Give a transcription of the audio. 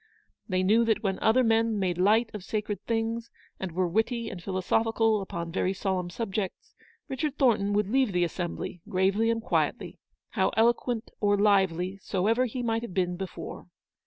They knew that when other men made light of sacred things, and were witty and philosophical upon very solemn subjects, Richard Thornton would leave the assembly gravely and quietly, how eloquent or lively soever he might have been before.